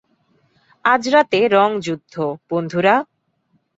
আজ রাতে রঙ যুদ্ধ, বন্ধুরা!